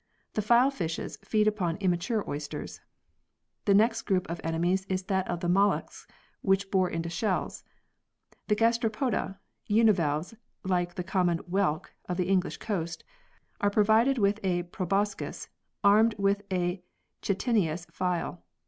The file fishes feed upon immature oysters. The next group of enemies is that of the molluscs which bore into shells. The gastropoda (univalves like the common whelk of the English coast) are provided with a proboscis armed with a chitinous file.